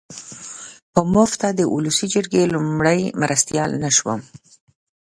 په مفته د اولسي جرګې لومړی مرستیال نه شوم.